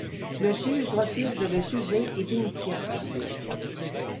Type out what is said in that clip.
Le juge refuse de le juger et démissionne.